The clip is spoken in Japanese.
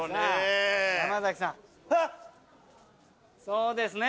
そうですね！